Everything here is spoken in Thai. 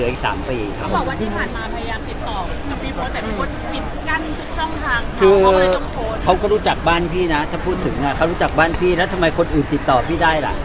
เขาก็รู้จักบ้านพี่นะถ้าพูดถึงอ่ะเขารู้จักบ้านพี่แล้วทำไมคนอื่นติดต่อพี่ได้ล่ะ